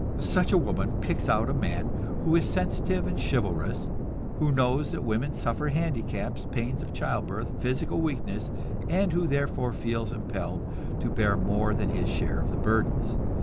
Such a woman picks out a man who is sensitive and chivalrous; who knows that women suffer handicaps, pains of childbirth, physical weakness, and who therefore feels impelled to bear more than his share of the burdens.